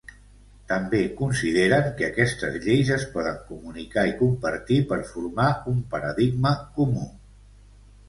També consideren que aquestes lleis es poden comunicar i compartir per formar un paradigma comú.